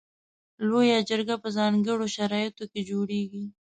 لویه جرګه په ځانګړو شرایطو کې جوړیږي.